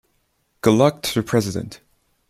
Good luck to the President.